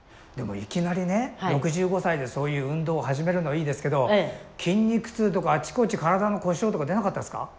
でもいきなりね６５歳でそういう運動を始めるのはいいですけど筋肉痛とかあちこち体の故障とか出なかったですか？